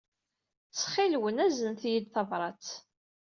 Ttxil-wen, aznet-iyi-d tabṛat.